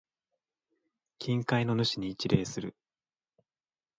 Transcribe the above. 近海の主に一礼する。